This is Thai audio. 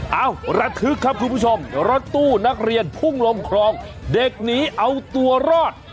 ระทึกครับคุณผู้ชมรถตู้นักเรียนพุ่งลงคลองเด็กหนีเอาตัวรอด